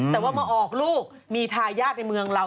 แต่ว่ามาออกลูกมีทายาทในเมืองเรา